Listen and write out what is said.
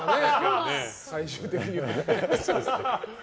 最終的には。